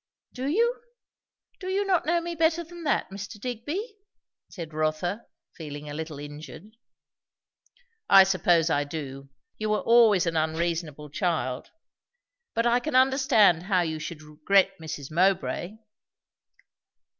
"Do you? Do you not know me better than that, Mr. Digby?" said Rotha, feeling a little injured. "I suppose I do! You were always an unreasonable child. But I can understand how you should regret Mrs. Mowbray."